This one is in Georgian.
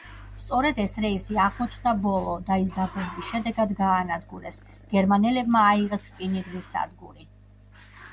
სწორედ ეს რეისი აღმოჩნდა ბოლო და ის დაბომბვის შედეგად გაანადგურეს, გერმანელებმა აიღეს რკინიგზის სადგური.